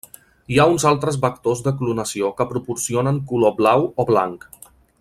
Hi ha uns altres vectors de clonació que proporcionen color blau o blanc.